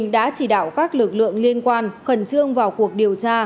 đã chỉ đạo các lực lượng liên quan khẩn trương vào cuộc điều tra